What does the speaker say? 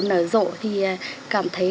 nở rộ thì cảm thấy